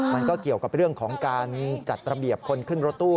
มันก็เกี่ยวกับเรื่องของการจัดระเบียบคนขึ้นรถตู้